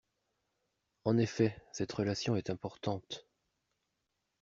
En effet, cette relation est importante.